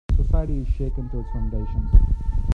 Society is shaken to its foundations.